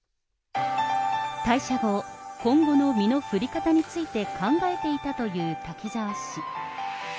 退社後、今後の身の振り方について考えていたという滝沢氏。